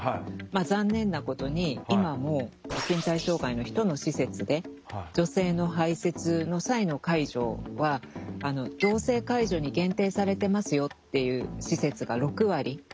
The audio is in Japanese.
残念なことに今も身体障害の人の施設で女性の排せつの際の介助は同性介助に限定されてますよっていう施設が６割。